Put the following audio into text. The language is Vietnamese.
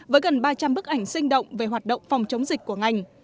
với gần ba trăm linh bức ảnh sinh động về hoạt động phòng chống dịch của ngành